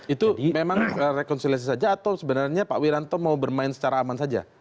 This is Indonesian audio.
itu memang rekonsiliasi saja atau sebenarnya pak wiranto mau bermain secara aman saja